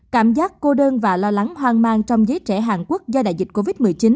cảm giác cô đơn và lo lắng hoang mang trong giới trẻ hàn quốc do đại dịch covid một mươi chín